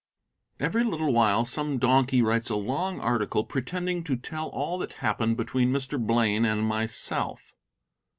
Every little while some donkey writes a long article pretending to tell all that happened between Mr. Blaine and myself.